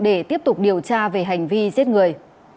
để tiếp tục điều tra về hành vi giết người